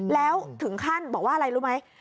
แล้วถึงขั้นบอกว่าอะไรรู้ไหม